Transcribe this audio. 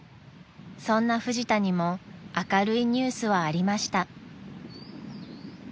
そんなフジタにも明るいニュースはありました］